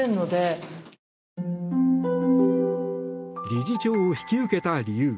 理事長を引き受けた理由。